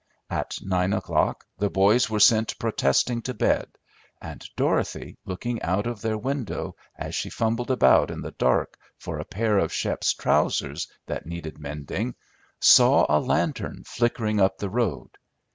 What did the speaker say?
At nine o'clock the boys were sent protesting to bed, and Dorothy, looking out of their window as she fumbled about in the dark for a pair of Shep's trousers that needed mending, saw a lantern flickering up the road.